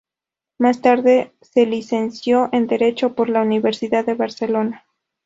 Más tarde se licenció en Derecho por la Universidad de Barcelona.